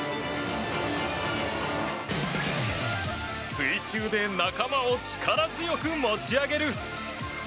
水中で仲間を力強く持ち上げる！